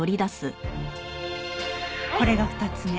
これが２つ目。